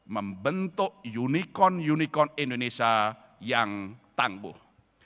membentuk unicorn unicorn indonesia yang tangguh